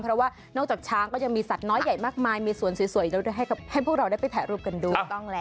เพราะว่านอกจากช้างก็ยังมีสัตว์น้อยใหญ่มากมายมีสวนสวยให้พวกเราได้ไปถ่ายรูปกันด้วยถูกต้องแล้ว